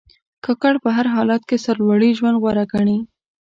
کاکړ په هر حالت کې سرلوړي ژوند غوره ګڼي.